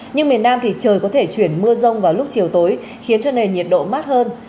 nhưng miền nam thì trời có thể chuyển mưa rông vào lúc chiều tối khiến cho nền nhiệt độ mát hơn